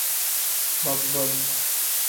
Bob-bob.